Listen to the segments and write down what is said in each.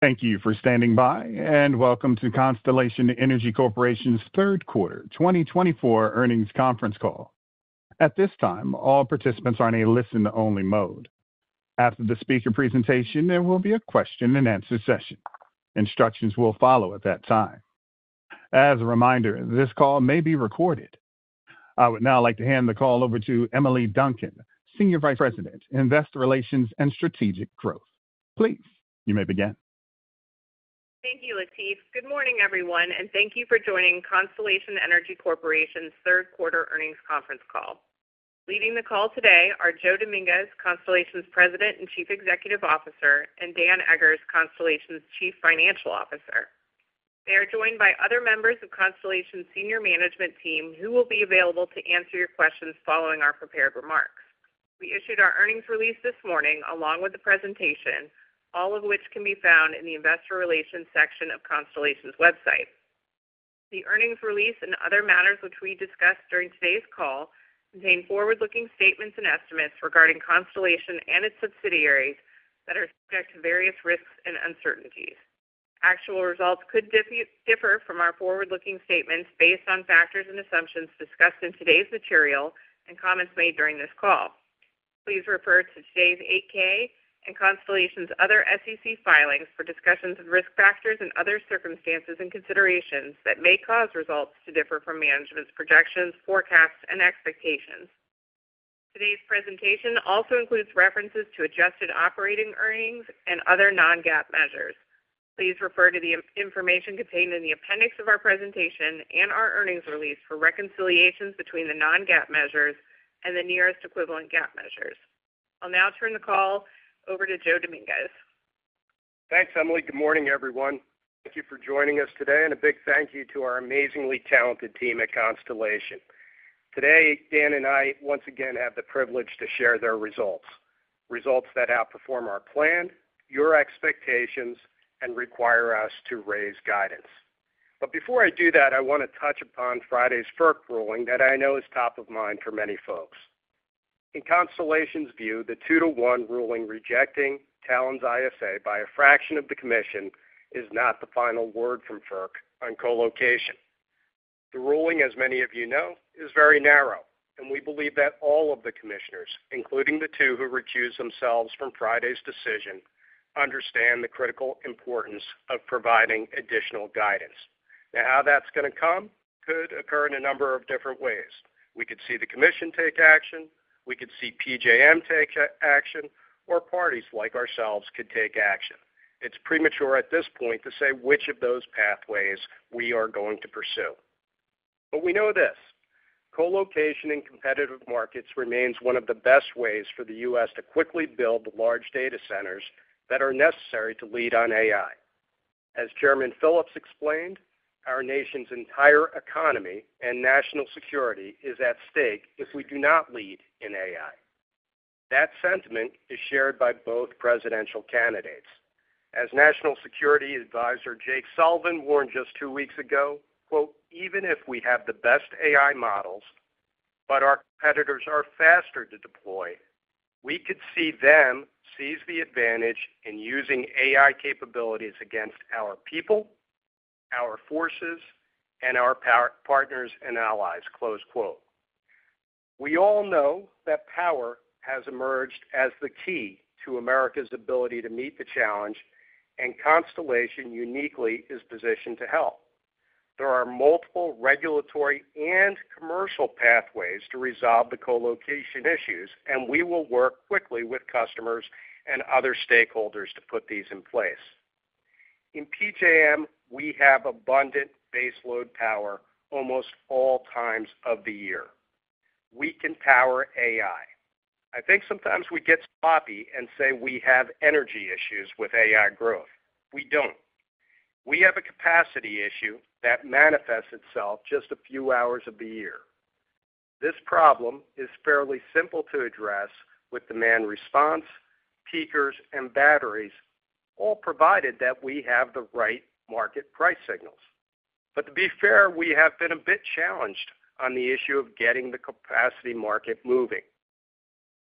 Thank you for standing by, and welcome to Constellation Energy Corporation's Third Quarter 2024 Earnings Conference Call. At this time, all participants are in a listen-only mode. After the speaker presentation, there will be a question-and-answer session. Instructions will follow at that time. As a reminder, this call may be recorded. I would now like to hand the call over to Emily Duncan, Senior Vice President, Investor Relations and Strategic Growth. Please, you may begin. Thank you, Latif. Good morning, everyone, and thank you for joining Constellation Energy Corporation's Third Quarter Earnings Conference Call. Leading the call today are Joe Dominguez, Constellation's President and Chief Executive Officer, and Dan Eggers, Constellation's Chief Financial Officer. They are joined by other members of Constellation's Senior Management Team who will be available to answer your questions following our prepared remarks. We issued our earnings release this morning along with the presentation, all of which can be found in the Investor Relations section of Constellation's website. The earnings release and other matters which we discussed during today's call contain forward-looking statements and estimates regarding Constellation and its subsidiaries that are subject to various risks and uncertainties. Actual results could differ from our forward-looking statements based on factors and assumptions discussed in today's material and comments made during this call. Please refer to today's 8-K and Constellation's other SEC filings for discussions of risk factors and other circumstances and considerations that may cause results to differ from management's projections, forecasts, and expectations. Today's presentation also includes references to adjusted operating earnings and other non-GAAP measures. Please refer to the information contained in the appendix of our presentation and our earnings release for reconciliations between the non-GAAP measures and the nearest equivalent GAAP measures. I'll now turn the call over to Joe Dominguez. Thanks, Emily. Good morning, everyone. Thank you for joining us today, and a big thank you to our amazingly talented team at Constellation. Today, Dan and I once again have the privilege to share their results, results that outperform our plan, your expectations, and require us to raise guidance. But before I do that, I want to touch upon Friday's FERC ruling that I know is top of mind for many folks. In Constellation's view, the 2-to-1 ruling rejecting Talen's ISA by a fraction of the commission is not the final word from FERC on colocation. The ruling, as many of you know, is very narrow, and we believe that all of the commissioners, including the two who recused themselves from Friday's decision, understand the critical importance of providing additional guidance. Now, how that's going to come could occur in a number of different ways. We could see the commission take action. We could see PJM take action, or parties like ourselves could take action. It's premature at this point to say which of those pathways we are going to pursue. But we know this: colocation in competitive markets remains one of the best ways for the U.S. to quickly build large data centers that are necessary to lead on AI. As Chairman Phillips explained, our nation's entire economy and national security is at stake if we do not lead in AI. That sentiment is shared by both presidential candidates. As National Security Advisor Jake Sullivan warned just two weeks ago, "Even if we have the best AI models, but our competitors are faster to deploy, we could see them seize the advantage in using AI capabilities against our people, our forces, and our partners and allies." We all know that power has emerged as the key to America's ability to meet the challenge, and Constellation uniquely is positioned to help. There are multiple regulatory and commercial pathways to resolve the colocation issues, and we will work quickly with customers and other stakeholders to put these in place. In PJM, we have abundant baseload power almost all times of the year. We can power AI. I think sometimes we get sloppy and say we have energy issues with AI growth. We don't. We have a capacity issue that manifests itself just a few hours of the year. This problem is fairly simple to address with demand response, peakers, and batteries, all provided that we have the right market price signals. But to be fair, we have been a bit challenged on the issue of getting the capacity market moving.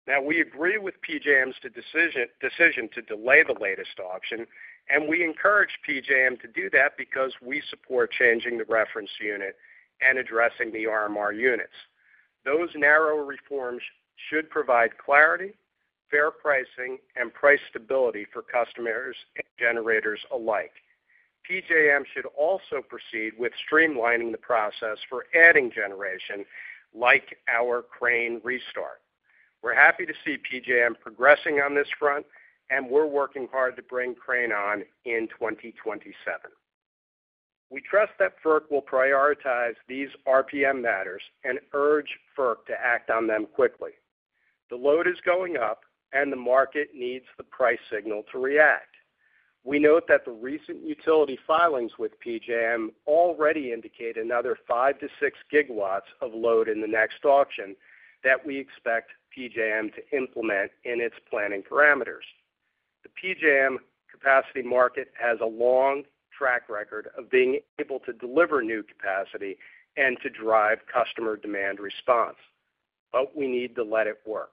Now, we agree with PJM's decision to delay the latest auction, and we encourage PJM to do that because we support changing the reference unit and addressing the RMR units. Those narrow reforms should provide clarity, fair pricing, and price stability for customers and generators alike. PJM should also proceed with streamlining the process for adding generation, like our Crane restart. We're happy to see PJM progressing on this front, and we're working hard to bring Crane on in 2027. We trust that FERC will prioritize these RPM matters and urge FERC to act on them quickly. The load is going up, and the market needs the price signal to react. We note that the recent utility filings with PJM already indicate another five to six gigawatts of load in the next auction that we expect PJM to implement in its planning parameters. The PJM capacity market has a long track record of being able to deliver new capacity and to drive customer demand response, but we need to let it work.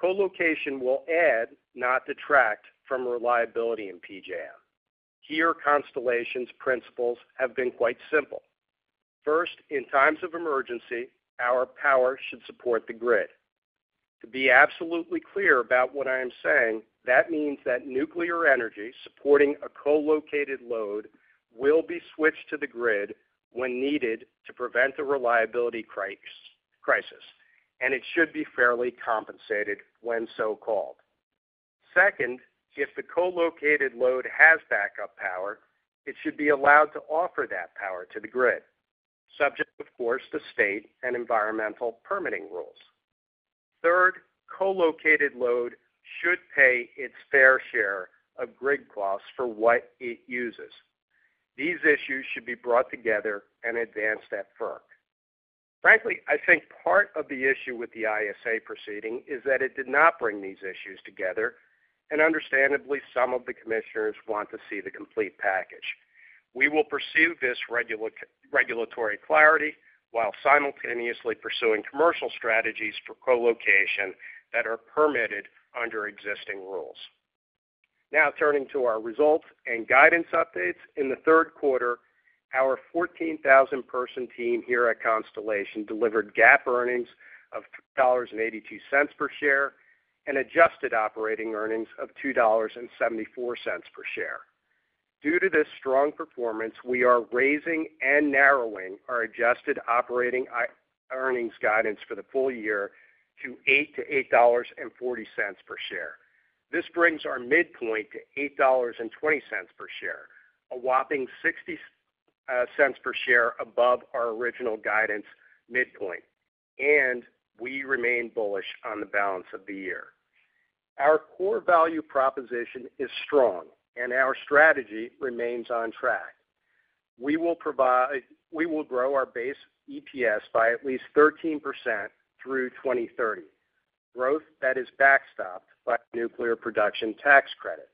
Colocation will add, not detract, from reliability in PJM. Here, Constellation's principles have been quite simple. First, in times of emergency, our power should support the grid. To be absolutely clear about what I am saying, that means that nuclear energy supporting a colocated load will be switched to the grid when needed to prevent a reliability crisis, and it should be fairly compensated when so called. Second, if the colocated load has backup power, it should be allowed to offer that power to the grid, subject, of course, to state and environmental permitting rules. Third, colocated load should pay its fair share of grid costs for what it uses. These issues should be brought together and advanced at FERC. Frankly, I think part of the issue with the ISA proceeding is that it did not bring these issues together, and understandably, some of the commissioners want to see the complete package. We will pursue this regulatory clarity while simultaneously pursuing commercial strategies for colocation that are permitted under existing rules. Now, turning to our results and guidance updates, in the third quarter, our 14,000-person team here at Constellation delivered GAAP earnings of $3.82 per share and adjusted operating earnings of $2.74 per share. Due to this strong performance, we are raising and narrowing our adjusted operating earnings guidance for the full year to $8.40 per share. This brings our midpoint to $8.20 per share, a whopping $0.60 per share above our original guidance midpoint, and we remain bullish on the balance of the year. Our core value proposition is strong, and our strategy remains on track. We will grow our base EPS by at least 13% through 2030, growth that is backstopped by the nuclear production tax credit.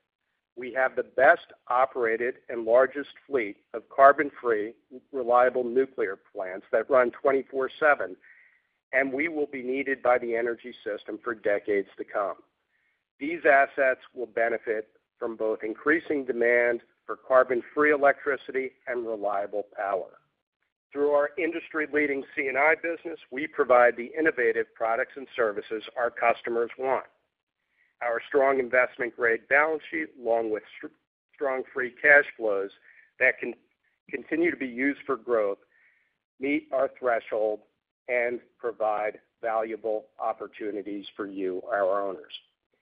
We have the best operated and largest fleet of carbon-free, reliable nuclear plants that run 24/7, and we will be needed by the energy system for decades to come. These assets will benefit from both increasing demand for carbon-free electricity and reliable power. Through our industry-leading C&I business, we provide the innovative products and services our customers want. Our strong investment-grade balance sheet, along with strong free cash flows that can continue to be used for growth, meet our threshold, and provide valuable opportunities for you, our owners.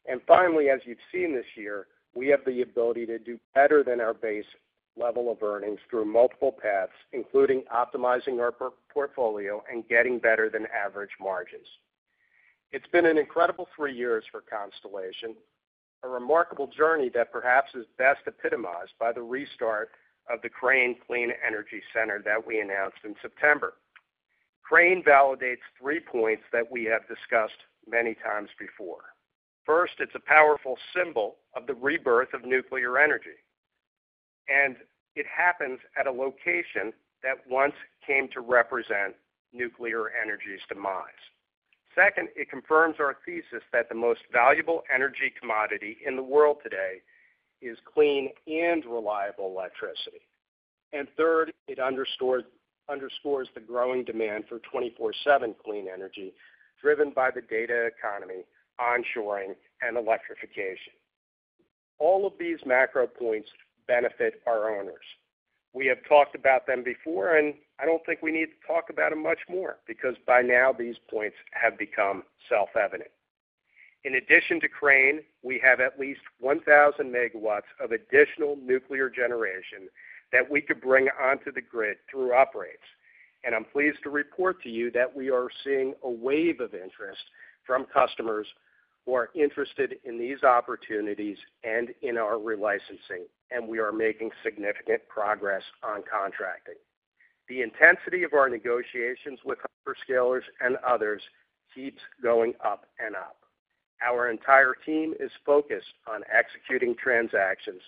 And finally, as you've seen this year, we have the ability to do better than our base level of earnings through multiple paths, including optimizing our portfolio and getting better than average margins. It's been an incredible three years for Constellation, a remarkable journey that perhaps is best epitomized by the restart of the Crane Clean Energy Center that we announced in September. Crane validates three points that we have discussed many times before. First, it's a powerful symbol of the rebirth of nuclear energy, and it happens at a location that once came to represent nuclear energy's demise. Second, it confirms our thesis that the most valuable energy commodity in the world today is clean and reliable electricity. Third, it underscores the growing demand for 24/7 clean energy driven by the data economy, onshoring, and electrification. All of these macro points benefit our owners. We have talked about them before, and I don't think we need to talk about them much more because by now these points have become self-evident. In addition to Crane, we have at least 1,000 megawatts of additional nuclear ggenerationeneration that we could bring onto the grid through uprates. And I'm pleased to report to you that we are seeing a wave of interest from customers who are interested in these opportunities and in our relicensing, and we are making significant progress on contracting. The intensity of our negotiations with hyperscalers and others keeps going up and up. Our entire team is focused on executing transactions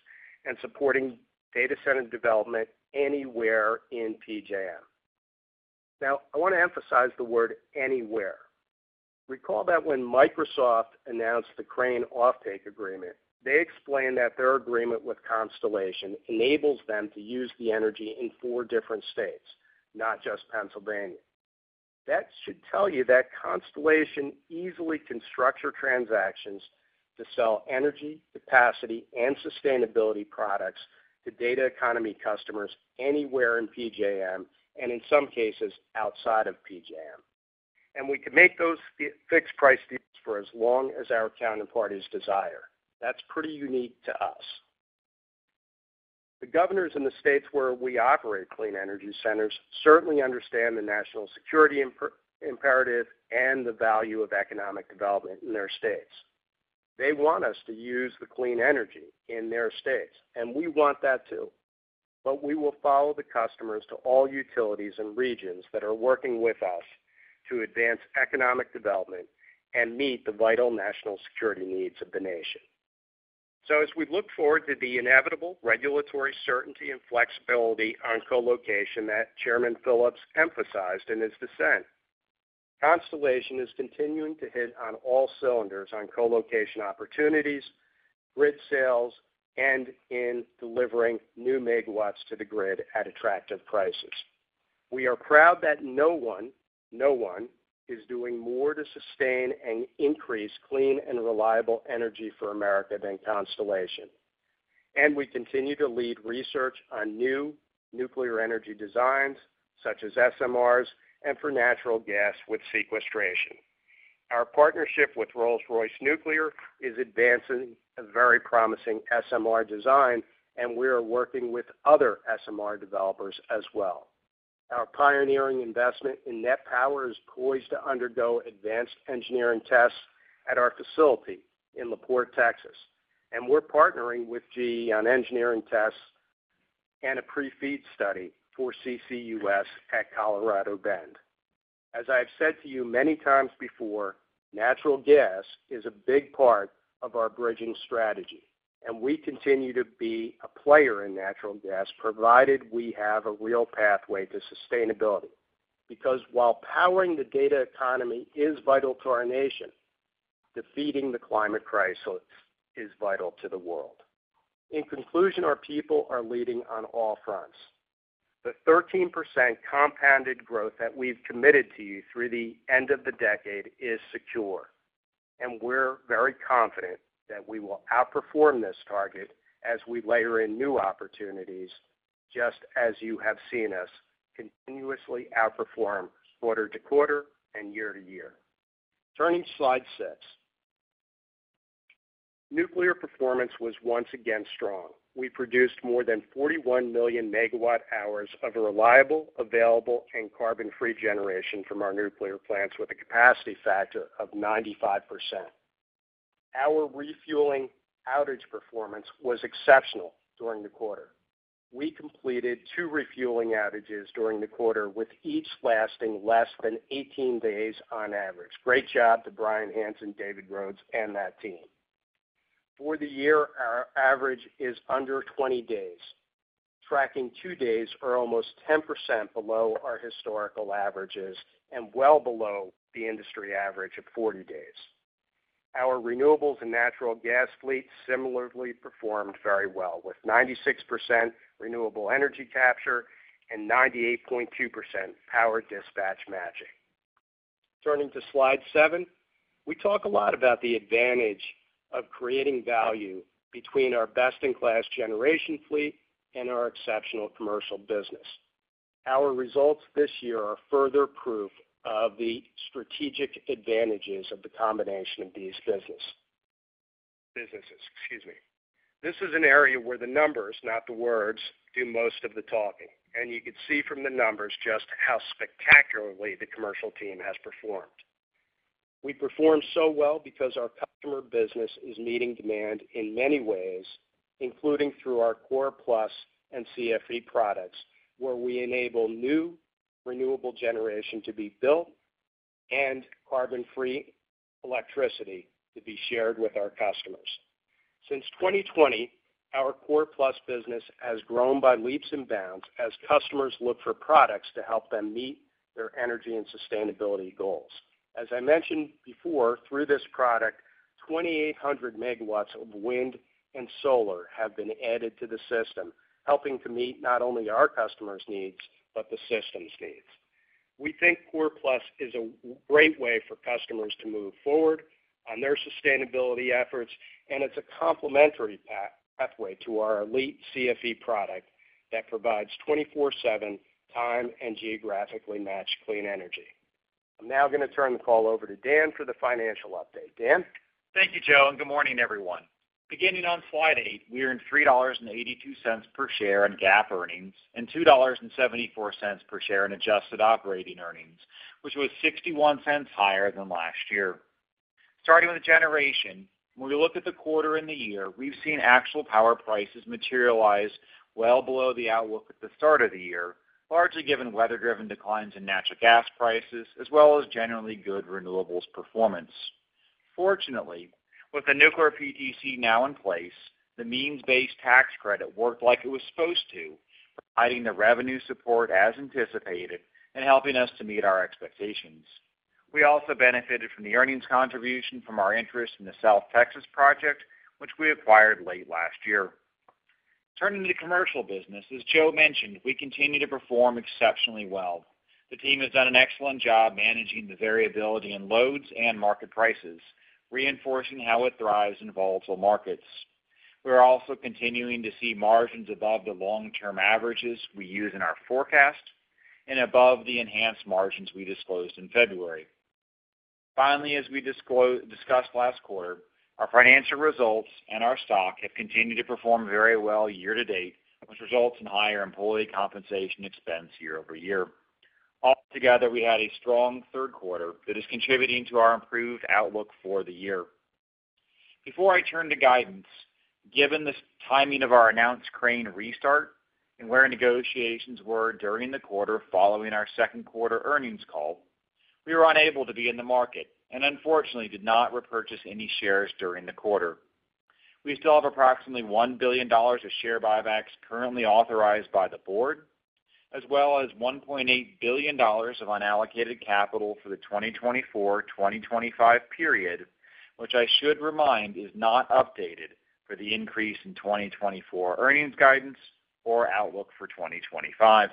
and supporting data center development anywhere in PJM. Now, I want to emphasize the word anywhere. Recall that when Microsoft announced the Crane offtake agreement, they explained that their agreement with Constellation enables them to use the energy in four different states, not just Pennsylvania. That should tell you that Constellation easily can structure transactions to sell energy, capacity, and sustainability products to data economy customers anywhere in PJM and in some cases outside of PJM, and we can make those fixed price deals for as long as our counterparties desire. That's pretty unique to us. The governors in the states where we operate clean energy centers certainly understand the national security imperative and the value of economic development in their states. They want us to use the clean energy in their states, and we want that too. We will follow the customers to all utilities and regions that are working with us to advance economic development and meet the vital national security needs of the nation. As we look forward to the inevitable regulatory certainty and flexibility on colocation that Chairman Phillips emphasized in his dissent, Constellation is continuing to hit on all cylinders on colocation opportunities, grid sales, and in delivering new megawatts to the grid at attractive prices. We are proud that no one is doing more to sustain and increase clean and reliable energy for America than Constellation. We continue to lead research on new nuclear energy designs, such as SMRs and for natural gas with sequestration. Our partnership with Rolls-Royce SMR is advancing a very promising SMR design, and we are working with other SMR developers as well. Our pioneering invesinvestmenttment in NET Power is poised to undergo advanced engineering tests at our facility in La Porte, Texas, and we're partnering with GE on engineering tests and a pre-feed study for CCUS at Colorado Bend. As I have said to you many times before, natural gas is a big part of our bridging strategy, and we continue to be a player in natural gas, provided we have a real pathway to sustainability. Because while powering the data economy is vital to our nation, defeating the climate crisis is vital to the world. In conclusion, our people are leading on all fronts. The 13% compounded growth that we've committed to you through the end of the decade is secure, and we're very confident that we will outperform this target as we layer in new opportunities, just as you have seen us continuously outperform quarter to quarter and year to year. Turning to slide six, nuclear performance was once again strong. We produced more than 41 million megawatt-hours of reliable, available, and carbon-free generation from our nuclear plants with a capacity factor of 95%. Our refueling outage performance was exceptional during the quarter. We completed two refueling outages during the quarter, with each lasting less than 18 days on average. Great job to Bryan Hanson, David Rhoades, and that team. For the year, our average is under 20 days, tracking two days or almost 10% below our historical averages and well below the industry average of 40 days. Our renewables and natural gas fleet similarly performed very well, with 96% renewable energy capture and 98.2% power dispatch matching. Turning to slide seven, we talk a lot about the advantage of creating value between our best-in-class generation fleet and our exceptional commercial business. Our results this year are further proof of the strategic advantages of the combination of these businesses. Excuse me. This is an area where the numbers, not the words, do most of the talking, and you can see from the numbers just how spectacularly the commercial team has performed. We perform so well because our customer business is meeting demand in many ways, including through our CORe+ and CFE products, where we enable new renewable generation to be built and carbon-free electricity to be shared with our customers. Since 2020, our CORe+ business has grown by leaps and bounds as customers look for products to help them meet their energy and sustainability goals. As I mentioned before, through this product, 2,800 megawatts of wind and solar have been added to the system, helping to meet not only our customers' needs, but the system's needs. We think CORe+ is a great way for customers to move forward on their sustainability efforts, and it's a complementary pathway to our elite CFE product that provides 24/7 time and geographically matched clean energy. I'm now going to turn the call over to Dan for the financial update. Dan. Thank you, Joe, and good morning, everyone. Beginning on slide eight, we are in $3.82 per share in GAAP earnings and $2.74 per share in adjusted operating earnings, which was $0.61 higher than last year. Starting with the generation, when we look at the quarter and the year, we've seen actual power prices materialize well below the outlook at the start of the year, largely given weather-driven declines in natural gas prices, as well as generally good renewables performance. Fortunately, with the nuclear PTC now in place, the means-based tax credit worked like it was supposed to, providing the revenue support as anticipated and helping us to meet our expectations. We also benefited from the earnings contribution from our interest in the South Texas Project, which we acquired late last year. Turning to the commercial business, as Joe mentioned, we continue to perform exceptionally well. The team has done an excellent job managing the variability in loads and market prices, reinforcing how it thrives in volatile markets. We are also continuing to see margins above the long-term averages we use in our forecast and above the enhanced margins we disclosed in February. Finally, as we discussed last quarter, our financial results and our stock have continued to perform very well year to date, which results in higher employee compensation expense year over year. Altogether, we had a strong third quarter that is contributing to our improved outlook for the year. Before I turn to guidance, given the timing of our announced Crane restart and where negotiations were during the quarter following our second quarter earnings call, we were unable to be in the market and unfortunately did not repurchase any shares during the quarter. We still have approximately $1 billion of share buybacks currently authorized by the board, as well as $1.8 billion of unallocated capital for the 2024-2025 period, which I should remind is not updated for the increase in 2024 earnings guidance or outlook for 2025.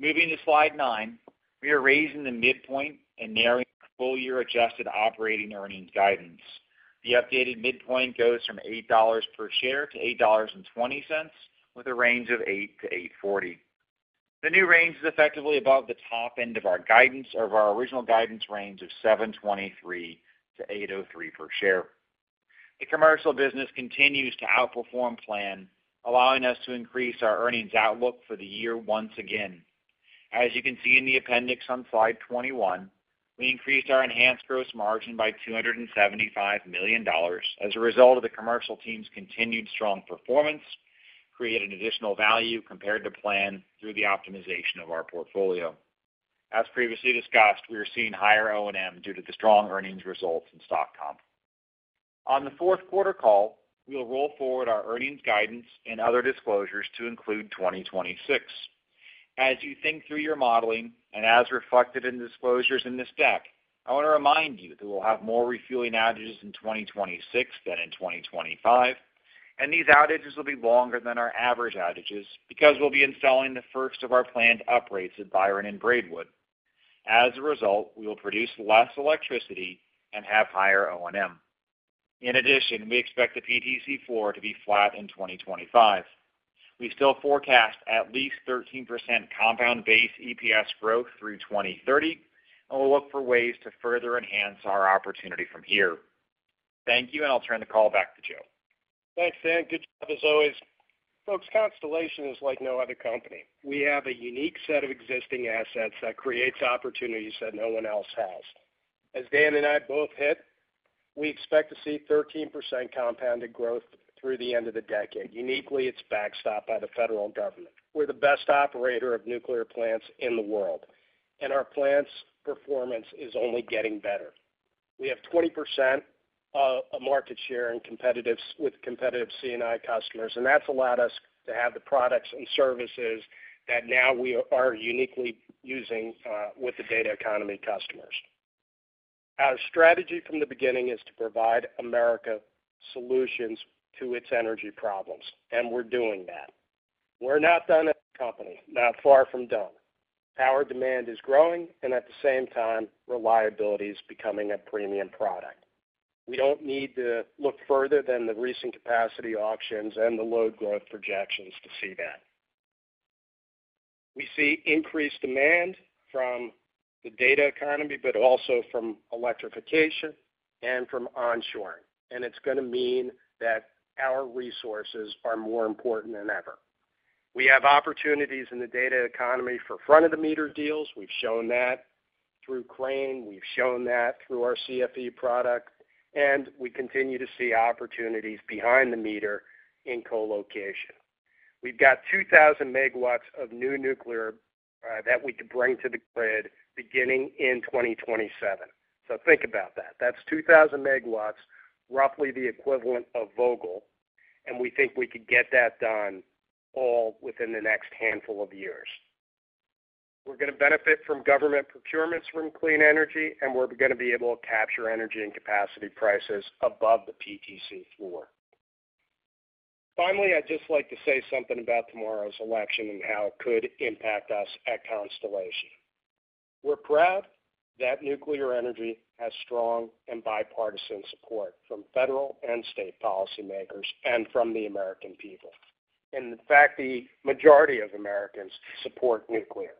Moving to slide nine, we are raising the midpoint and narrowing the full-year adjusted operating earnings guidance. The updated midpoint goes from $8 per share to $8.20, with a range of $8-$8.40. The new range is effectively above the top end of our guidance or of our original guidance range of $7.23-$8.03 per share. The commercial business continues to outperform plan, allowing us to increase our earnings outlook for the year once again. As you can see in the appendix on slide 21, we increased our enhanced gross margin by $275 million as a result of the commercial team's continued strong performance, creating additional value compared to plan through the optimization of our portfolio. As previously discussed, we are seeing higher O&M due to the strong earnings results in stock comp. On the fourth quarter call, we will roll forward our earnings guidance and other disclosures to include 2026. As you think through your modeling and as reflected in disclosures in this deck, I want to remind you that we'll have more refueling outages in 2026 than in 2025, and these outages will be longer than our average outages because we'll be installing the first of our planned uprates at Byron and Braidwood. As a result, we will produce less electricity and have higher O&M. In addition, we expect the PTC floor to be flat in 2025. We still forecast at least 13% compound-based EPS growth through 2030, and we'll look for ways to further enhance our opportunity from here. Thank you, and I'll turn the call back to Joe. Thanks, Dan. Good job as always. Folks, Constellation is like no other company. We have a unique set of existing assets that creates opportunities that no one else has. As Dan and I both hit, we expect to see 13% compounded growth through the end of the decade. Uniquely, it's backstopped by the federal government. We're the best operator of nuclear plants in the world, and our plants' performance is only getting better. We have 20% of a market share with competitive C&I customers, and that's allowed us to have the products and services that now we are uniquely using with the data economy customers. Our strategy from the beginning is to provide America solutions to its energy problems, and we're doing that. We're not done as a company, not far from done. Power demand is growing, and at the same time, reliability is becoming a premium product. We don't need to look further than the recent capacity auctions and the load growth projections to see that. We see increased demand from the data economy, but also from electrification and from onshoring, and it's going to mean that our resources are more important than ever. We have opportunities in the data economy for front-of-the-meter deals. We've shown that through Crane. We've shown that through our CFE product, and we continue to see opportunities behind-the-meter in colocation. We've got 2,000 megawatts of new nuclear that we could bring to the grid beginning in 2027. So think about that. That's 2,000 megawatts, roughly the equivalent of Vogtle, and we think we could get that done all within the next handful of years. We're going to benefit from government procurements from clean energy, and we're going to be able to capture energy and capacity prices above the PTC floor. Finally, I'd just like to say something about tomorrow's election and how it could impact us at Constellation. We're proud that nuclear energy has strong and bipartisan support from federal and state policymakers and from the American people. In fact, the majority of Americans support nuclear.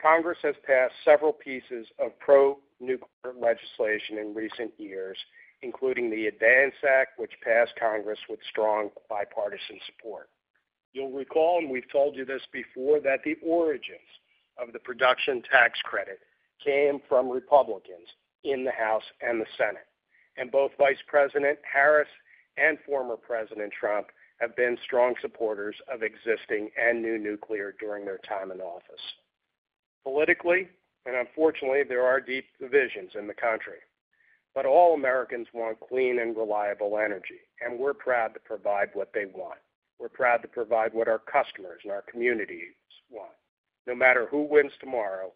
Congress has passed several pieces of pro-nuclear legislation in recent years, including the ADVANCE Act, which passed Congress with strong bipartisan support. You'll recall, and we've told you this before, that the origins of the Production Tax Credit came from Republicans in the House and the Senate. And both Vice President Harris and former President Trump have been strong supporters of existing and new nuclear during their time in office. Politically, and unfortunately, there are deep divisions in the country, but all Americans want clean and reliable energy, and we're proud to provide what they want. We're proud to provide what our customers and our communities want. No matter who wins tomorrow,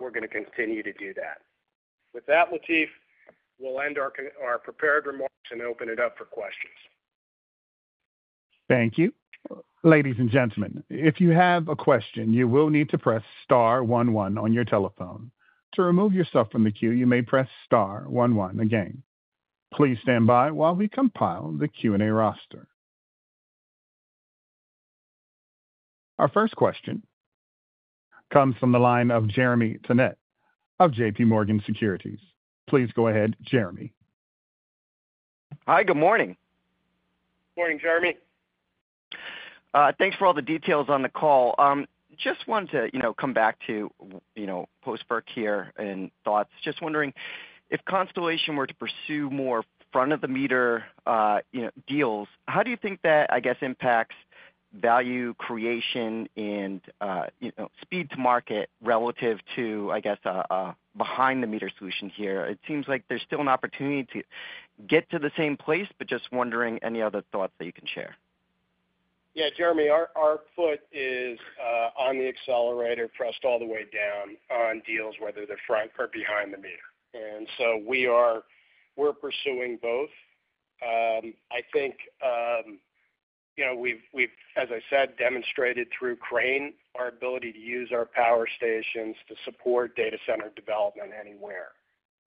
we're going to continue to do that. With that, Latif, we'll end our prepared remarks and open it up for questions. Thank you. Ladies and gentlemen, if you have a question, you will need to press star 11 on your telephone. To remove yourself from the queue, you may press star 11 again. Please stand by while we compile the Q&A roster. Our first question comes from the line of Jeremy Tonet of JPMorgan Securities. Please go ahead, Jeremy. Hi, good morning. Good morning, Jeremy. Thanks for all the details on the call. Just wanted to come back to post-work here and thoughts. Just wondering if Constellation were to pursue more front-of-the-meter deals, how do you think that, I guess, impacts value creation and speed to market relative to, I guess, a behind-the-meter solution here? It seems like there's still an opportunity to get to the same place, but just wondering any other thoughts that you can share? Yeah, Jeremy, our foot is on the accelerator pressed all the way down on deals, whether they're front or behind the meter. And so we're pursuing both. I think we've, as I said, demonstrated through Crane our ability to use our power stations to support data center development anywhere.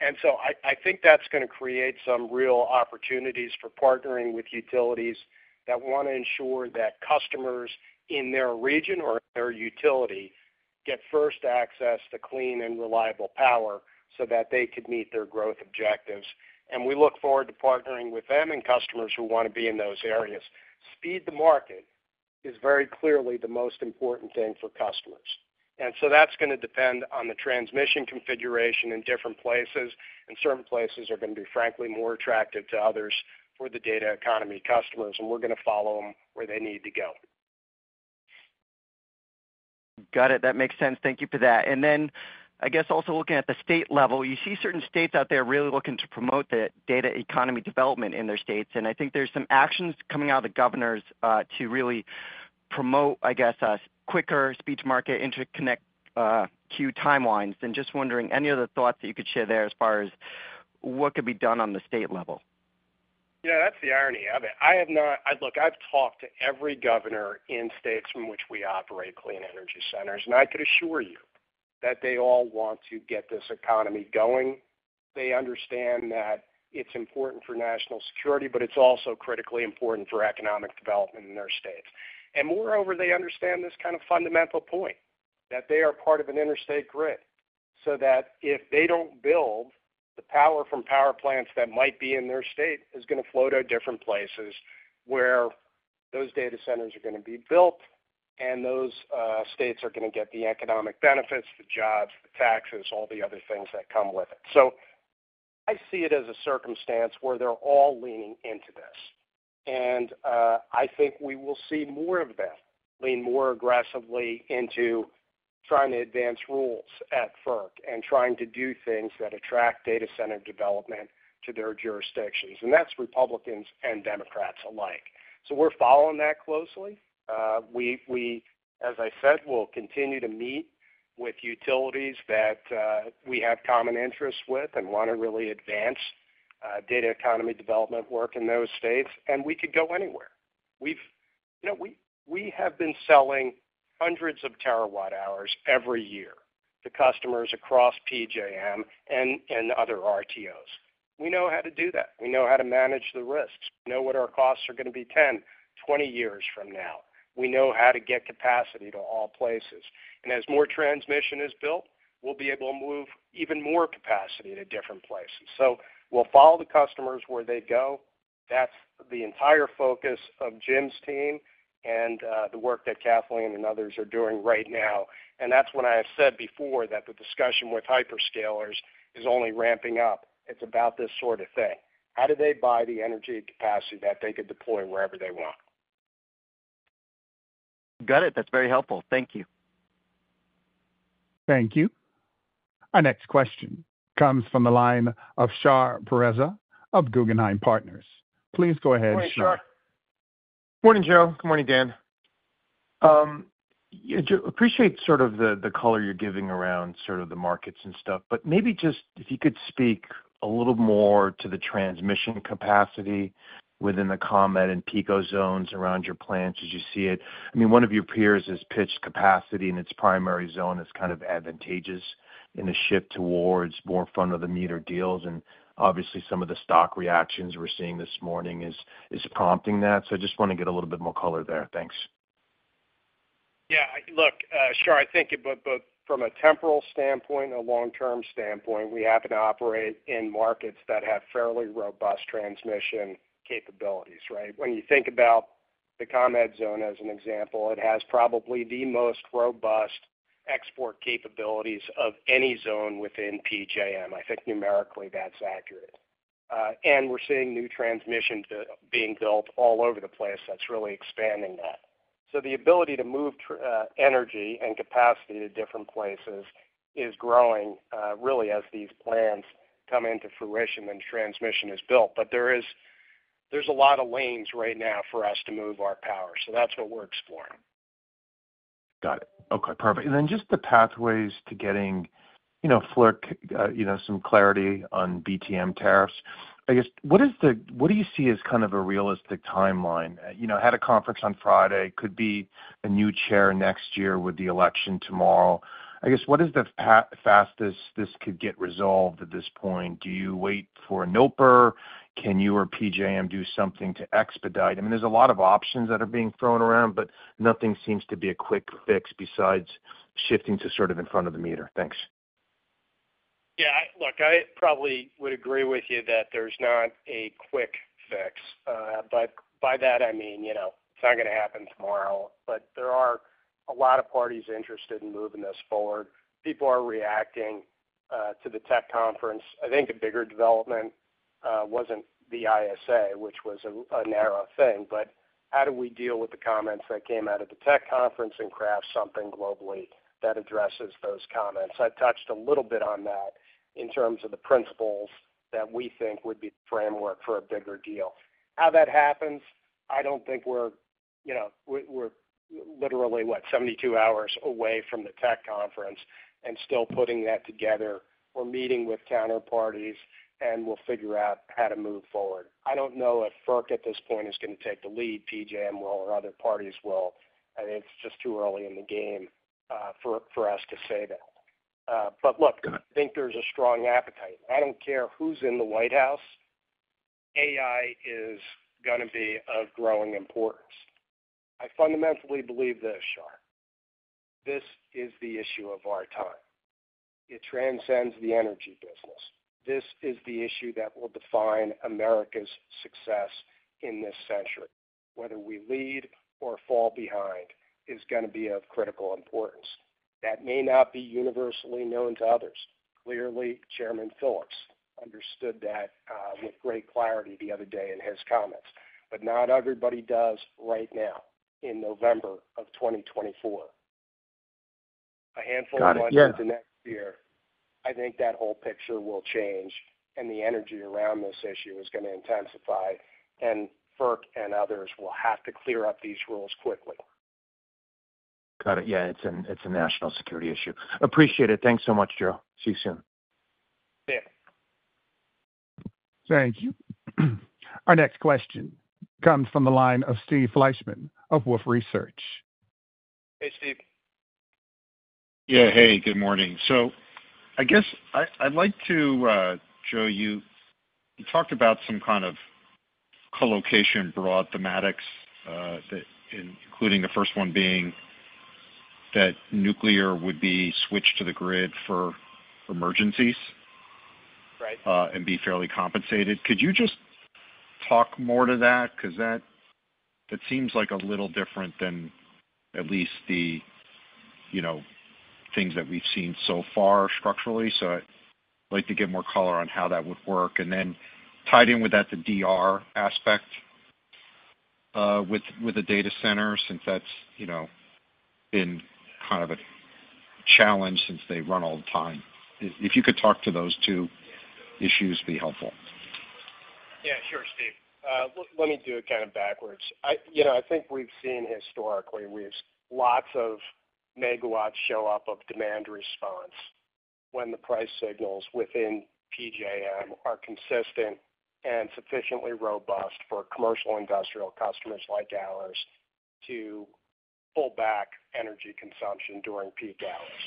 And so I think that's going to create some real opportunities for partnering with utilities that want to ensure that customers in their region or their utility get first access to clean and reliable power so that they could meet their growth objectives. And we look forward to partnering with them and customers who want to be in those areas. Speed to market is very clearly the most important thing for customers. And so that's going to depend on the transmission configuration in different places, and certain places are going to be, frankly, more attractive to others for the data economy customers, and we're going to follow them where they need to go. Got it. That makes sense. Thank you for that. And then, I guess, also looking at the state level, you see certain states out there really looking to promote the data economy development in their states. And I think there's some actions coming out of the governors to really promote, I guess, quicker speed to market interconnect queue timelines. And just wondering, any other thoughts that you could share there as far as what could be done on the state level? Yeah, that's the irony of it. Look, I've talked to every governor in states from which we operate clean energy centers, and I could assure you that they all want to get this economy going. They understand that it's important for national security, but it's also critically important for economic development in their states, and moreover, they understand this kind of fundamental point that they are part of an interstate grid so that if they don't build, the power from power plants that might be in their state is going to flow to different places where those data centers are going to be built, and those states are going to get the economic benefits, the jobs, the taxes, all the other things that come with it, so I see it as a circumstance where they're all leaning into this. I think we will see more of them lean more aggressively into trying to advance rules at FERC and trying to do things that attract data center development to their jurisdictions. And that's Republicans and Democrats alike. So we're following that closely. As I said, we'll continue to meet with utilities that we have common interests with and want to really advance data economy development work in those states. And we could go anywhere. We have been selling hundreds of terawatt hours every year to customers across PJM and other RTOs. We know how to do that. We know how to manage the risks. We know what our costs are going to be 10, 20 years from now. We know how to get capacity to all places. And as more transmission is built, we'll be able to move even more capacity to different places. We'll follow the customers where they go. That's the entire focus of Jim's team and the work that Kathleen and others are doing right now. And that's when I have said before that the discussion with hyperscalers is only ramping up. It's about this sort of thing. How do they buy the energy capacity that they could deploy wherever they want? Got it. That's very helpful. Thank you. Thank you. Our next question comes from the line of Shar Pourreza of Guggenheim Securities. Please go ahead, Shar. Morning, Shar. Morning, Joe. Good morning, Dan. Appreciate sort of the color you're giving around sort of the markets and stuff, but maybe just if you could speak a little more to the transmission capacity within the ComEd and PECO zones around your plants as you see it. I mean, one of your peers has pitched capacity in its primary zone as kind of advantageous in the shift towards more front-of-the-meter deals. And obviously, some of the stock reactions we're seeing this morning is prompting that. So I just want to get a little bit more color there. Thanks. Yeah. Look, Shar, I think from a temporal standpoint, a long-term standpoint, we happen to operate in markets that have fairly robust transmission capabilities, right? When you think about the ComEd zone as an example, it has probably the most robust export capabilities of any zone within PJM. I think numerically that's accurate. And we're seeing new transmission being built all over the place that's really expanding that. So the ability to move energy and capacity to different places is growing really as these plants come into fruition and transmission is built. But there's a lot of lanes right now for us to move our power. So that's what we're exploring. Got it. Okay. Perfect. And then just the pathways to getting FERC some clarity on BTM tariffs. I guess, what do you see as kind of a realistic timeline? I had a conference on Friday. It could be a new chair next year with the election tomorrow. I guess, what is the fastest this could get resolved at this point? Do you wait for an order? Can you or PJM do something to expedite? I mean, there's a lot of options that are being thrown around, but nothing seems to be a quick fix besides shifting to sort of in front of the meter. Thanks. Yeah. Look, I probably would agree with you that there's not a quick fix. By that, I mean it's not going to happen tomorrow, but there are a lot of parties interested in moving this forward. People are reacting to the tech conference. I think a bigger development wasn't the ISA, which was a narrow thing, but how do we deal with the comments that came out of the tech conference and craft something globally that addresses those comments? I touched a little bit on that in terms of the principles that we think would be the framework for a bigger deal. How that happens, I don't think we're literally, what, 72 hours away from the tech conference and still putting that together. We're meeting with counterparties, and we'll figure out how to move forward. I don't know if FERC at this point is going to take the lead, PJM will, or other parties will. I think it's just too early in the game for us to say that. But look, I think there's a strong appetite. I don't care who's in the White House. AI is going to be of growing importance. I fundamentally believe this, Shah. This is the issue of our time. It transcends the energy business. This is the issue that will define America's success in this century. Whether we lead or fall behind is going to be of critical importance. That may not be universally known to others. Clearly, Chairman Phillips understood that with great clarity the other day in his comments, but not everybody does right now in November of 2024. A handful of months into next year, I think that whole picture will change, and the energy around this issue is going to intensify, and FERC and others will have to clear up these rules quickly. Got it. Yeah. It's a national security issue. Appreciate it. Thanks so much, Joe. See you soon. See you. Thank you. Our next question comes from the line of Steve Fleischman of Wolfe Research. Hey, Steve. Yeah. Hey. Good morning. So I guess I'd like to ask you. You talked about some kind of colocation broad thematics, including the first one being that nuclear would be switched to the grid for emergencies and be fairly compensated. Could you just talk more to that? Because that seems like a little different than at least the things that we've seen so far structurally. So I'd like to get more color on how that would work. And then tied in with that, the DR aspect with the data center, since that's been kind of a challenge since they run all the time. If you could talk to those two issues, it'd be helpful. Yeah. Sure, Steve. Let me do it kind of backwards. I think we've seen historically, we've seen lots of megawatts show up of demand response when the price signals within PJM are consistent and sufficiently robust for commercial industrial customers like ours to pull back energy consumption during peak hours.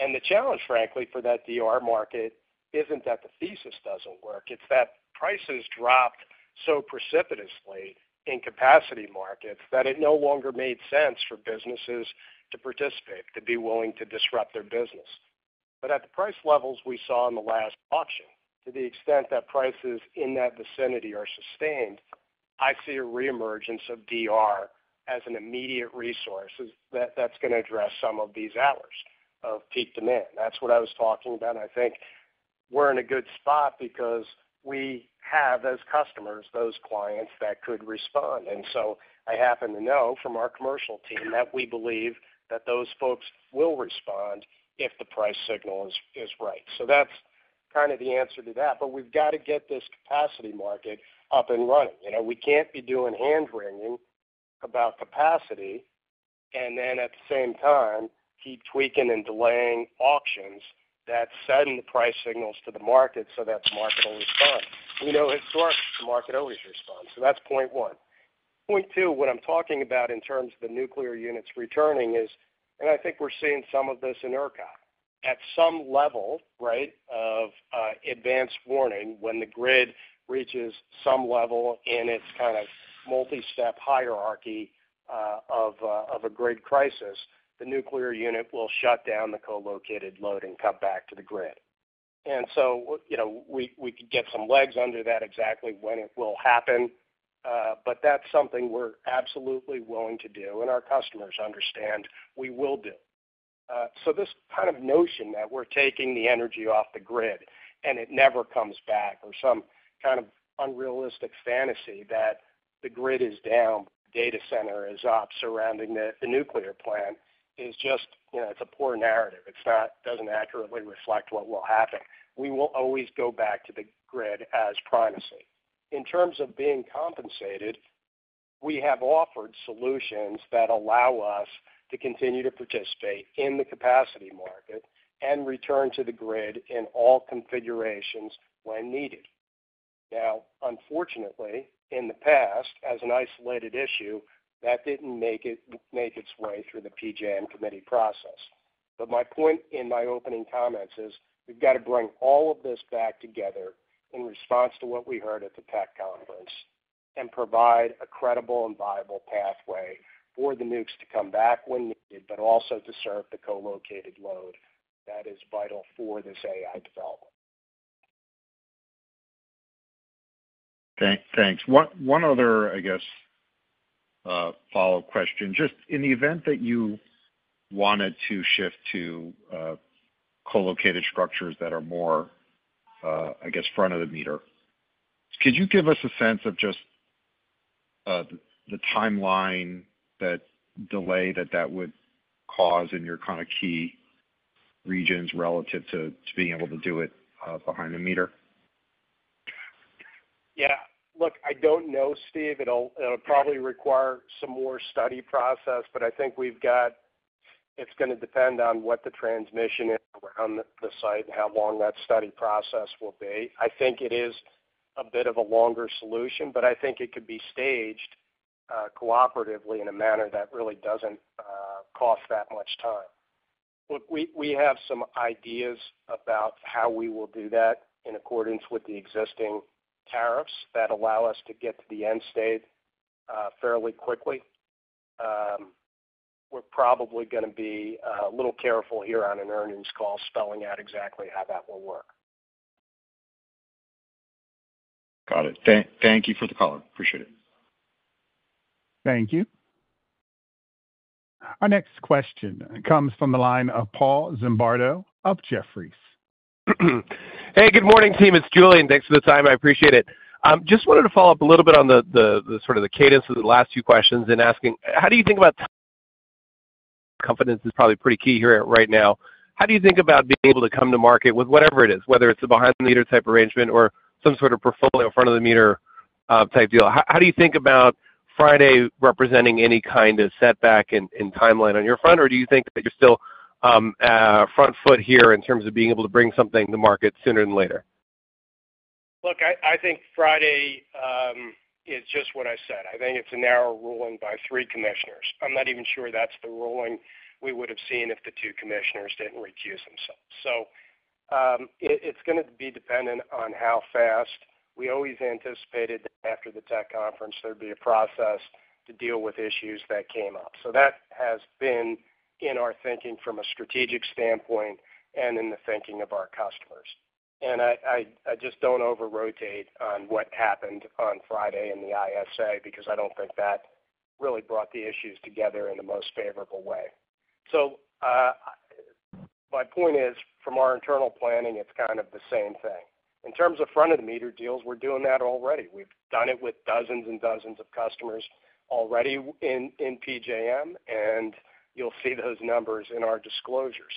And the challenge, frankly, for that DR market isn't that the thesis doesn't work. It's that prices dropped so precipitously in capacity markets that it no longer made sense for businesses to participate, to be willing to disrupt their business. But at the price levels we saw in the last auction, to the extent that prices in that vicinity are sustained, I see a reemergence of DR as an immediate resource that's going to address some of these hours of peak demand. That's what I was talking about. I think we're in a good spot because we have, as customers, those clients that could respond. And so I happen to know from our commercial team that we believe that those folks will respond if the price signal is right. So that's kind of the answer to that. But we've got to get this capacity market up and running. We can't be doing hand-wringing about capacity and then at the same time keep tweaking and delaying auctions that send the price signals to the market so that the market will respond. We know historically the market always responds. So that's point one. Point two, what I'm talking about in terms of the nuclear units returning is, and I think we're seeing some of this in ERCOT, at some level, right, of advanced warning when the grid reaches some level in its kind of multi-step hierarchy of a grid crisis, the nuclear unit will shut down the co-located load and come back to the grid. And so we could get some legs under that exactly when it will happen, but that's something we're absolutely willing to do. And our customers understand we will do. So this kind of notion that we're taking the energy off the grid and it never comes back or some kind of unrealistic fantasy that the grid is down, data center is up surrounding the nuclear plant is just, it's a poor narrative. It doesn't accurately reflect what will happen. We will always go back to the grid as primacy. In terms of being compensated, we have offered solutions that allow us to continue to participate in the capacity market and return to the grid in all configurations when needed. Now, unfortunately, in the past, as an isolated issue, that didn't make its way through the PJM committee process. But my point in my opening comments is we've got to bring all of this back together in response to what we heard at the tech conference and provide a credible and viable pathway for the nukes to come back when needed, but also to serve the co-located load that is vital for this AI development. Thanks. One other, I guess, follow-up question. Just in the event that you wanted to shift to co-located structures that are more, I guess, front of the meter, could you give us a sense of just the timeline, that delay that that would cause in your kind of key regions relative to being able to do it behind the meter? Yeah. Look, I don't know, Steve. It'll probably require some more study process, but I think we've got it. It's going to depend on what the transmission is around the site and how long that study process will be. I think it is a bit of a longer solution, but I think it could be staged cooperatively in a manner that really doesn't cost that much time. Look, we have some ideas about how we will do that in accordance with the existing tariffs that allow us to get to the end state fairly quickly. We're probably going to be a little careful here on an earnings call, spelling out exactly how that will work. Got it. Thank you for the call. Appreciate it. Thank you. Our next question comes from the line of Paul Zimbardo of Jefferies. Hey, good morning, team. It's Julian. Thanks for the time. I appreciate it. Just wanted to follow up a little bit on the sort of cadence of the last few questions and asking how do you think about confidence. Is probably pretty key here right now. How do you think about being able to come to market with whatever it is, whether it's a behind-the-meter type arrangement or some sort of portfolio front-of-the-meter type deal? How do you think about Friday representing any kind of setback in timeline on your front, or do you think that you're still front foot here in terms of being able to bring something to market sooner than later? Look, I think Friday is just what I said. I think it's a narrow ruling by three commissioners. I'm not even sure that's the ruling we would have seen if the two commissioners didn't recuse themselves. So it's going to be dependent on how fast. We always anticipated that after the tech conference, there'd be a process to deal with issues that came up. So that has been in our thinking from a strategic standpoint and in the thinking of our customers, and I just don't over-rotate on what happened on Friday in the ISA because I don't think that really brought the issues together in the most favorable way. So my point is, from our internal planning, it's kind of the same thing. In terms of front-of-the-meter deals, we're doing that already. We've done it with dozens and dozens of customers already in PJM, and you'll see those numbers in our disclosures.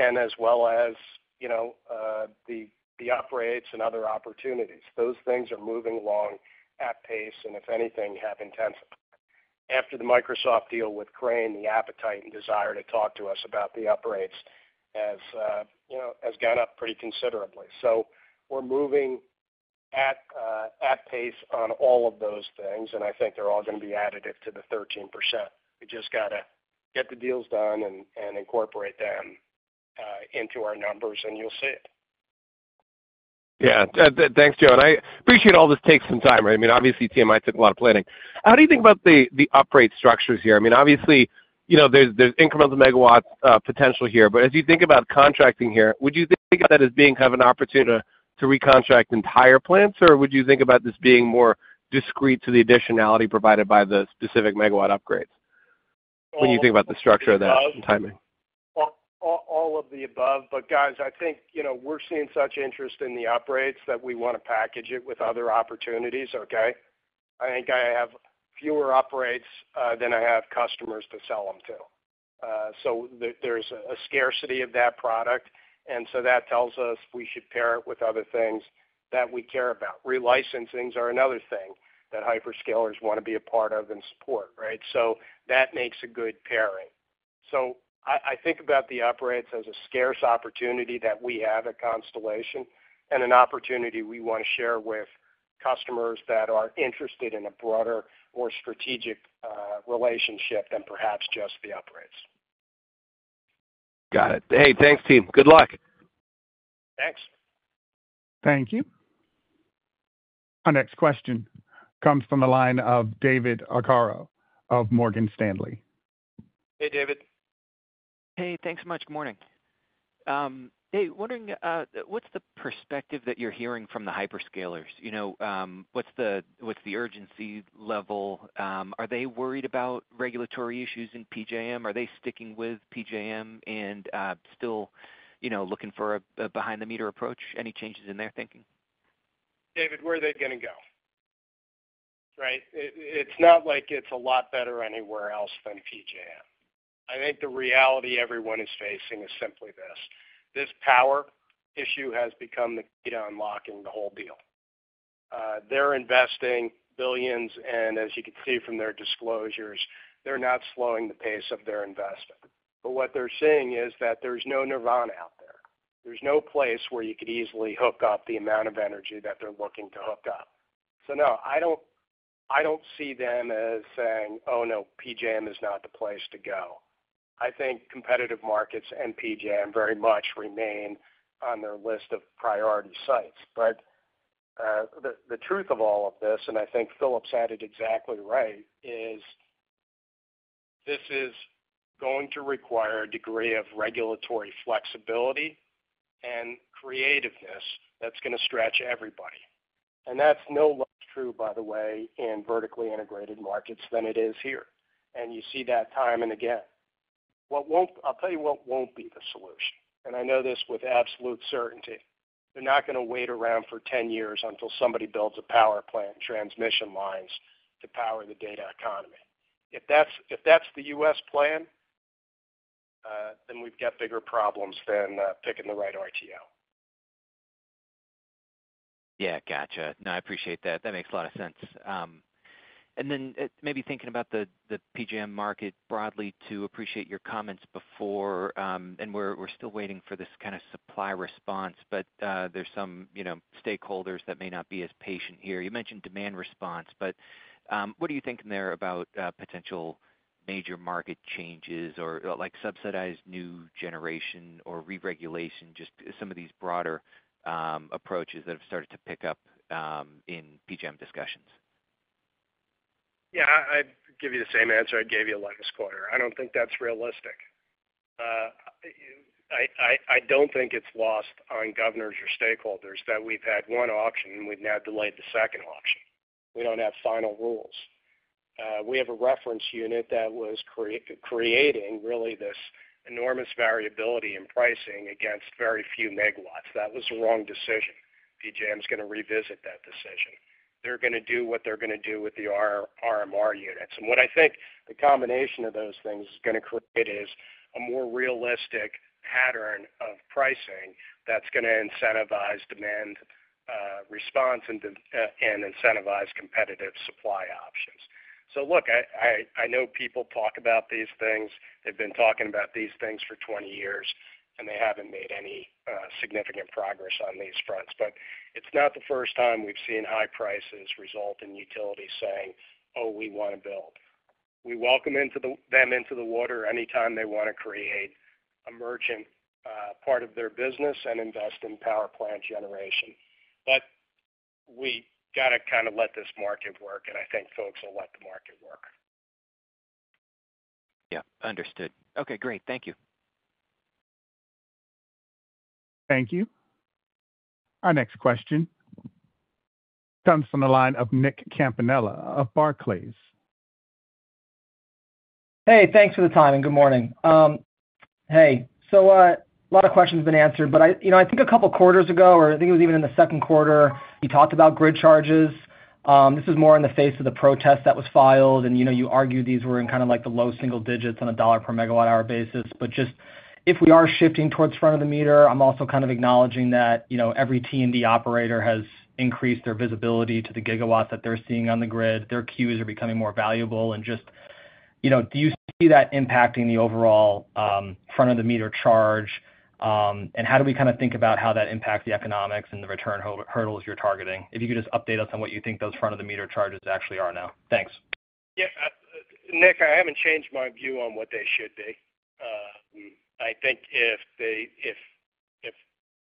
And as well as the uprates and other opportunities. Those things are moving along at pace and, if anything, have intensified. After the Microsoft deal with Crane, the appetite and desire to talk to us about the uprates has gone up pretty considerably. So we're moving at pace on all of those things, and I think they're all going to be additive to the 13%. We just got to get the deals done and incorporate them into our numbers, and you'll see it. Yeah. Thanks, Joe. And I appreciate all this takes some time. I mean, obviously, TMI took a lot of planning. How do you think about the uprate structures here? I mean, obviously, there's incremental megawatts potential here. But as you think about contracting here, would you think of that as being kind of an opportunity to recontract entire plants, or would you think about this being more discrete to the additionality provided by the specific megawatt upgrades when you think about the structure of that and timing? All of the above. But guys, I think we're seeing such interest in the uprates that we want to package it with other opportunities, okay? I think I have fewer uprates than I have customers to sell them to. So there's a scarcity of that product, and so that tells us we should pair it with other things that we care about. Relicensings are another thing that hyperscalers want to be a part of and support, right? So that makes a good pairing. I think about the uprates as a scarce opportunity that we have at Constellation and an opportunity we want to share with customers that are interested in a broader or strategic relationship than perhaps just the uprates. Got it. Hey, thanks, team. Good luck. Thanks. Thank you. Our next question comes from the line of David Arcaro of Morgan Stanley. Hey, David. Hey. Thanks so much. Good morning. Hey, wondering what's the perspective that you're hearing from the hyperscalers? What's the urgency level? Are they worried about regulatory issues in PJM? Are they sticking with PJM and still looking for a behind-the-meter approach? Any changes in their thinking? David, where are they going to go? Right? It's not like it's a lot better anywhere else than PJM. I think the reality everyone is facing is simply this. This power issue has become the key to unlocking the whole deal. They're investing billions, and as you can see from their disclosures, they're not slowing the pace of their investment. But what they're seeing is that there's no nirvana out there. There's no place where you could easily hook up the amount of energy that they're looking to hook up. So no, I don't see them as saying, "Oh, no, PJM is not the place to go." I think competitive markets and PJM very much remain on their list of priority sites. But the truth of all of this, and I think Phillips had it exactly right, is this is going to require a degree of regulatory flexibility and creativeness that's going to stretch everybody, and that's no less true, by the way, in vertically integrated markets than it is here, and you see that time and again. I'll tell you what won't be the solution. And I know this with absolute certainty. They're not going to wait around for 10 years until somebody builds a power plant and transmission lines to power the data economy. If that's the U.S. plan, then we've got bigger problems than picking the right RTO. Yeah. Gotcha. No, I appreciate that. That makes a lot of sense. And then maybe thinking about the PJM market broadly to appreciate your comments before, and we're still waiting for this kind of supply response, but there's some stakeholders that may not be as patient here. You mentioned demand response, but what are you thinking there about potential major market changes or subsidized new generation or re-regulation, just some of these broader approaches that have started to pick up in PJM discussions? Yeah. I'd give you the same answer I gave you last quarter. I don't think that's realistic. I don't think it's lost on governors or stakeholders that we've had one option and we've now delayed the second option. We don't have final rules. We have a reference unit that was creating really this enormous variability in pricing against very few megawatts. That was the wrong decision. PJM is going to revisit that decision. They're going to do what they're going to do with the RMR units. And what I think the combination of those things is going to create is a more realistic pattern of pricing that's going to incentivize demand response and incentivize competitive supply options. So look, I know people talk about these things. They've been talking about these things for 20 years, and they haven't made any significant progress on these fronts. But it's not the first time we've seen high prices result in utilities saying, "Oh, we want to build." We welcome them into the water anytime they want to create a merchant part of their business and invest in power plant generation. But we got to kind of let this market work, and I think folks will let the market work. Yeah. Understood. Okay. Great. Thank you. Thank you. Our next question comes from the line of Nick Campanella of Barclays. Hey, thanks for the time and good morning. Hey. So a lot of questions have been answered, but I think a couple of quarters ago, or I think it was even in the second quarter, you talked about grid charges. This is more in the face of the protest that was filed, and you argued these were in kind of like the low single digits on a dollar per megawatt-hour basis. But just if we are shifting towards front-of-the-meter, I'm also kind of acknowledging that every T&D operator has increased their visibility to the gigawatts that they're seeing on the grid. Their queues are becoming more valuable. And just do you see that impacting the overall front-of-the-meter charge, and how do we kind of think about how that impacts the economics and the return hurdles you're targeting? If you could just update us on what you think those front-of-the-meter charges actually are now. Thanks. Yeah. Nick, I haven't changed my view on what they should be. I think if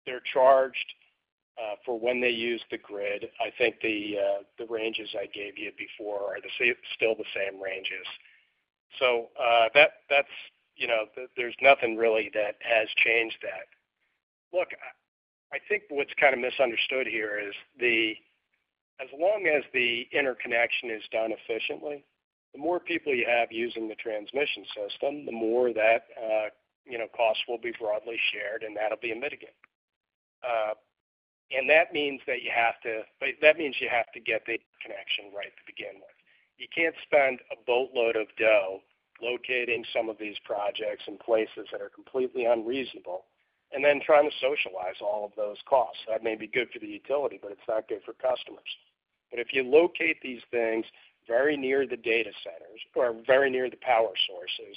they're charged for when they use the grid, I think the ranges I gave you before are still the same ranges. So there's nothing really that has changed that. Look, I think what's kind of misunderstood here is as long as the interconnection is done efficiently, the more people you have using the transmission system, the more that cost will be broadly shared, and that'll be a mitigator, and that means you have to get the connection right to begin with. You can't spend a boatload of dough locating some of these projects in places that are completely unreasonable and then trying to socialize all of those costs. That may be good for the utility, but it's not good for customers. But if you locate these things very near the data centers or very near the power sources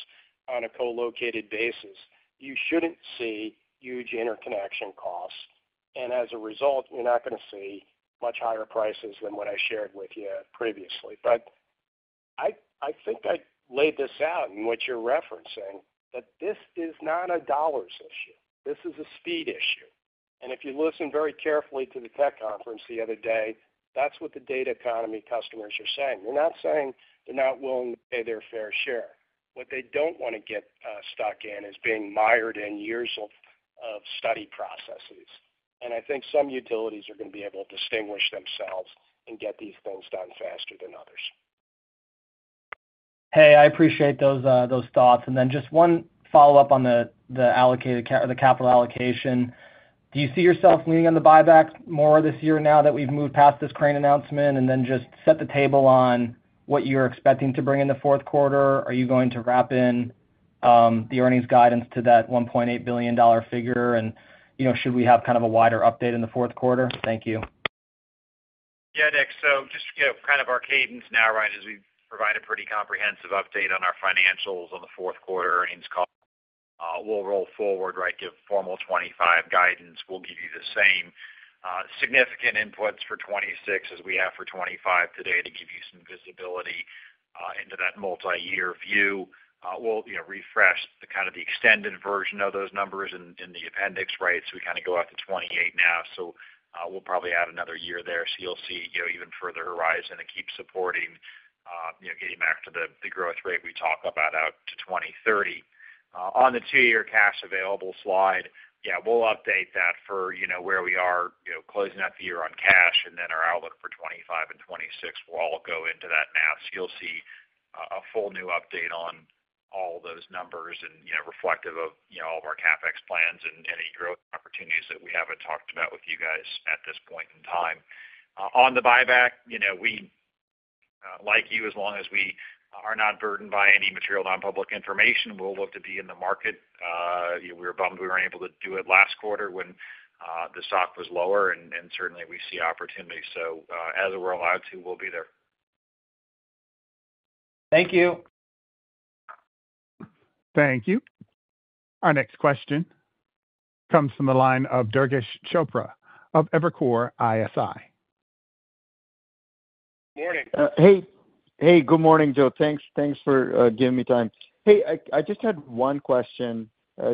on a co-located basis, you shouldn't see huge interconnection costs. And as a result, you're not going to see much higher prices than what I shared with you previously. But I think I laid this out in what you're referencing, that this is not a dollars issue. This is a speed issue. And if you listen very carefully to the tech conference the other day, that's what the data economy customers are saying. They're not saying they're not willing to pay their fair share. What they don't want to get stuck in is being mired in years of study processes. And I think some utilities are going to be able to distinguish themselves and get these things done faster than others. Hey, I appreciate those thoughts. And then just one follow-up on the capital allocation. Do you see yourself leaning on the buyback more this year now that we've moved past this Crane announcement and then just set the table on what you're expecting to bring in the fourth quarter? Are you going to wrap in the earnings guidance to that $1.8 billion figure, and should we have kind of a wider update in the fourth quarter? Thank you. Yeah, Nick. So just kind of our cadence now, right, is we've provided a pretty comprehensive update on our financials on the fourth quarter earnings call. We'll roll forward, right, give formal 2025 guidance. We'll give you the same significant inputs for 2026 as we have for 2025 today to give you some visibility into that multi-year view. We'll refresh kind of the extended version of those numbers in the appendix, right? So we kind of go out to 2028 now. So we'll probably add another year there. So you'll see even further horizon and keep supporting, getting back to the growth rate we talked about out to 2030. On the two-year cash available slide, yeah, we'll update that for where we are closing out the year on cash, and then our outlook for 2025 and 2026 will all go into that now. So you'll see a full new update on all those numbers and reflective of all of our CapEx plans and any growth opportunities that we haven't talked about with you guys at this point in time. On the buyback, like you, as long as we are not burdened by any material nonpublic information, we'll look to be in the market. We were bummed we weren't able to do it last quarter when the stock was lower, and certainly, we see opportunity. So as we're allowed to, we'll be there. Thank you. Thank you. Our next question comes from the line of Durgesh Chopra of Evercore ISI. Good morning. Hey. Hey, good morning, Joe. Thanks for giving me time. Hey, I just had one question.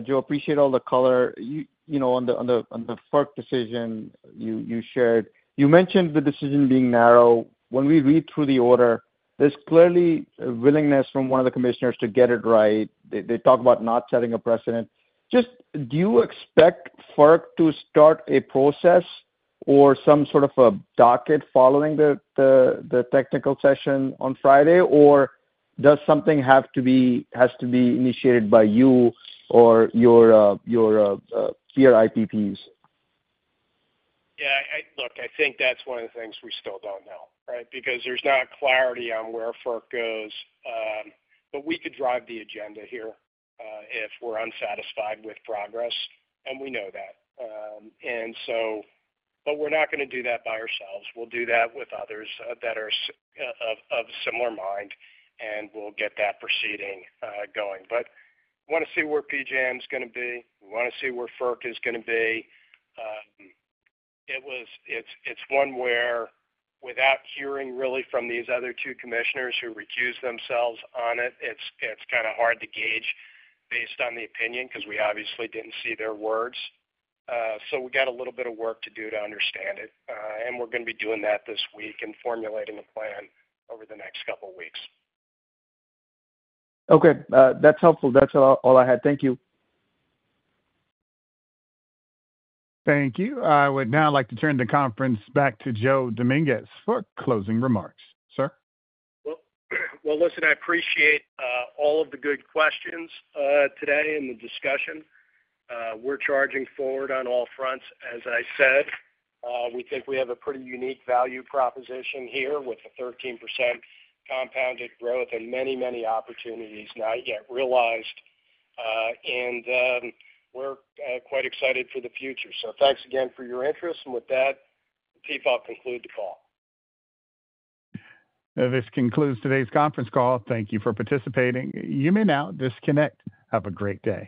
Joe, I appreciate all the color on the FERC decision you shared. You mentioned the decision being narrow. When we read through the order, there's clearly a willingness from one of the commissioners to get it right. They talk about not setting a precedent. Just do you expect FERC to start a process or some sort of a docket following the technical session on Friday, or does something have to be initiated by you or your peer IPPs? Yeah. Look, I think that's one of the things we still don't know, right, because there's not clarity on where FERC goes. But we could drive the agenda here if we're unsatisfied with progress, and we know that. But we're not going to do that by ourselves. We'll do that with others that are of similar mind, and we'll get that proceeding going. But we want to see where PJM is going to be. We want to see where FERC is going to be. It's one where, without hearing really from these other two commissioners who recuse themselves on it, it's kind of hard to gauge based on the opinion because we obviously didn't see their words. So we got a little bit of work to do to understand it, and we're going to be doing that this week and formulating a plan over the next couple of weeks. Okay. That's helpful. That's all I had. Thank you. Thank you. I would now like to turn the conference back to Joe Dominguez for closing remarks. Sir? Well, listen, I appreciate all of the good questions today in the discussion. We're charging forward on all fronts, as I said. We think we have a pretty unique value proposition here with the 13% compounded growth and many, many opportunities not yet realized, and we're quite excited for the future, so thanks again for your interest, and with that, the call concludes the call. This concludes today's conference call. Thank you for participating. You may now disconnect. Have a great day.